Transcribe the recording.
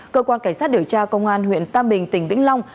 cơ quan cảnh sát điều tra công an huyện tam bình tỉnh vĩnh long